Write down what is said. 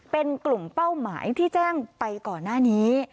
เป็นกลุ่มเป้าหมายที่แจ้งไปก่อนหน้านี้